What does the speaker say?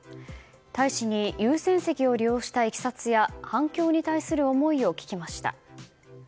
大使に優先席を利用したいきさつや反響に対する思いを聞きました。